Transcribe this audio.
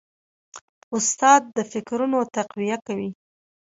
استاد د فکرونو تقویه کوي.